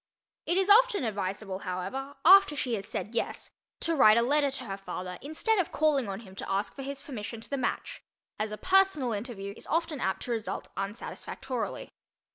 It is often advisable, however, after she has said "yes," to write a letter to her father instead of calling on him to ask for his permission to the match, as a personal interview is often apt to result unsatisfactorily.